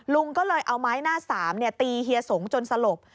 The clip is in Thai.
ลุงก็เลยเอาไม้หน้าสามตีเฮียสงจนสลบ